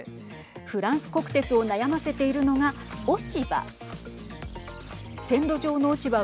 フランス国鉄を悩ませているのが落ち葉。